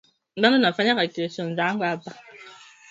mashimo sita yalitokea katika vyumba vitano